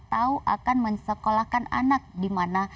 tahu akan menyekolahkan anak dimana